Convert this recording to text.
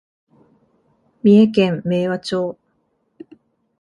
三重県明和町